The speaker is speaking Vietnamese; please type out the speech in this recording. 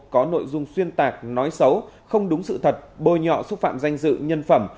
có nội dung xuyên tạc nói xấu không đúng sự thật bôi nhọ xúc phạm danh dự nhân phẩm